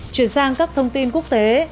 chuyển sang các thông tin quốc tế